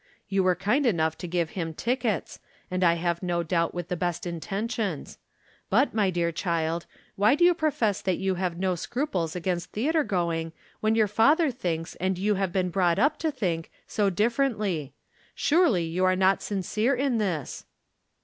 " You were kiud enough to give him tickets, and I have no doubt with the best intentions ; but, my dear child, why do you profess that you have no scruples against theatre going when your father thinks and you have been brought up to think so differ ently? Surely you are not sincere in this